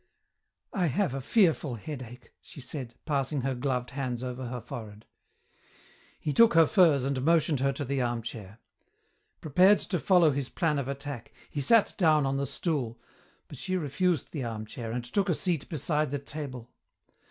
"I have a fearful headache," she said, passing her gloved hands over her forehead. He took her furs and motioned her to the armchair. Prepared to follow his plan of attack, he sat down on the stool, but she refused the armchair and took a seat beside the table.